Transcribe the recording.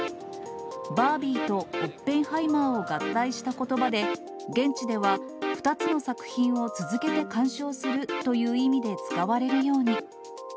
バービーとオッペンハイマーを合体したことばで、現地では、２つの作品を続けて鑑賞するという意味で使われるように。